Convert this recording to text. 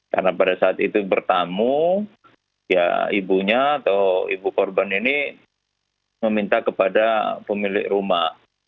karena pada saat itu bertamu ya ibunya atau ibu korban ini meminta kepada pemilik rumah